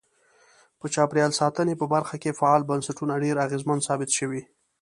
په چاپیریال ساتنې په برخه کې فعال بنسټونه ډیر اغیزمن ثابت شوي.